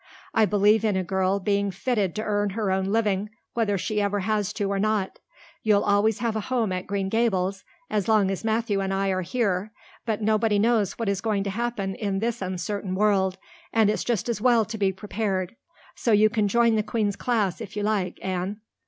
I believe in a girl being fitted to earn her own living whether she ever has to or not. You'll always have a home at Green Gables as long as Matthew and I are here, but nobody knows what is going to happen in this uncertain world, and it's just as well to be prepared. So you can join the Queen's class if you like, Anne."